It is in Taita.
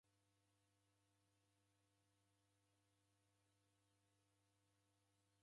W'andu w'amu w'ekodesha nyumba ela ndew'ikunde kulipa kodi.